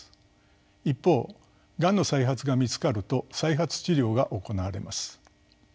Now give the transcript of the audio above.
一方がんの再発が見つかると再発治療が行われます。